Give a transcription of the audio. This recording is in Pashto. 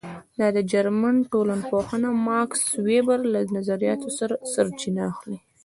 دا د جرمن ټولنپوه ماکس وېبر له نظریاتو سرچینه اخلي.